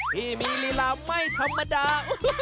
ที่มีลีลาไม่ธรรมดา